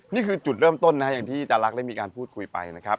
นี่คือจุดเริ่มต้นนะครับอย่างที่อาจารักได้มีการพูดคุยไปนะครับ